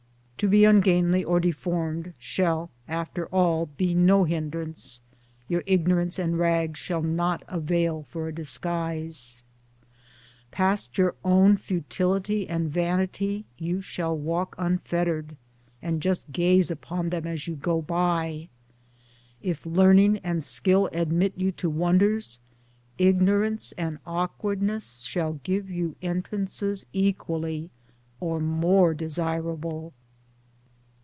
To be ungainly or deformed shall after all be no hindrance, your ignorance and rags shall not avail for a disguise ; Past your own futility and vanity you shall walk unfettered, and just gaze upon them as you go by; if learning and skill admit you to wonders, ignorance and awkwardness shall give you entrances equally or more desirable.